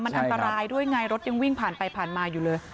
มันอันตรายด้วยไงรถยังวิ่งผ่านไปผ่านมาอยู่เลย